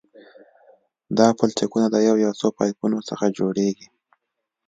دا پلچکونه د یو یا څو پایپونو څخه جوړیږي